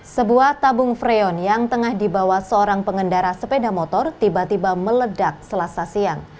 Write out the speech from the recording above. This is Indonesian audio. sebuah tabung freon yang tengah dibawa seorang pengendara sepeda motor tiba tiba meledak selasa siang